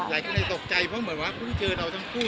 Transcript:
หลายคนเลยตกใจเพราะเหมือนว่าเพิ่งเจอเราทั้งคู่